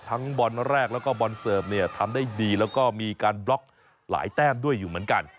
บอลแรกแล้วก็บอลเสิร์ฟเนี่ยทำได้ดีแล้วก็มีการบล็อกหลายแต้มด้วยอยู่เหมือนกัน